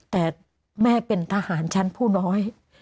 แต่แม่เป็นทหารชั้นผู้น้อย